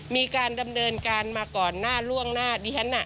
มีการดำเนินการมาก่อนหน้าล่วงหน้าดิฉันน่ะ